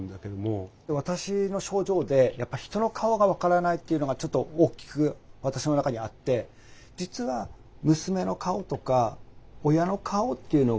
私の症状でやっぱり人の顔が分からないっていうのがちょっと大きく私の中にあって実は娘の顔とか親の顔っていうのが分かるんですよ